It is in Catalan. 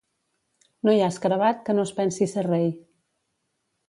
No hi ha escarabat que no es pensi ser rei.